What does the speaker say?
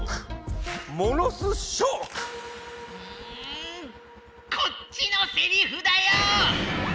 んこっちのセリフだよ！